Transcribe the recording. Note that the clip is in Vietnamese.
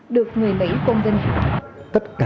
được người mỹ công tin